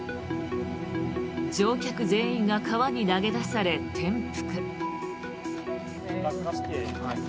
乗客全員が川に投げ出され転覆。